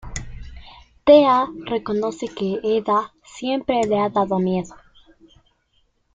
Thea reconoce que Hedda siempre le ha dado miedo.